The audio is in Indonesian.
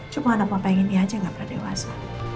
cuma anak papa yang ini aja gak pernah dewasa